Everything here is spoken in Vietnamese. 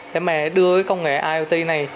để đưa công nghệ iot này